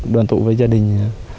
đoàn tụ với gia đình